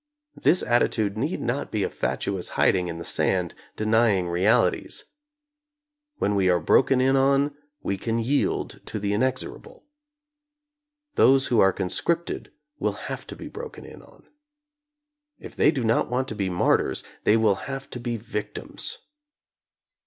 This attitude need not be a fatuous hiding in the sand, denying realities. When we are broken in on, we can yield to the inexorable. Those who are conscripted will have been broken in on. If they do not want to be martyrs, they will have to be victims.